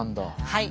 はい。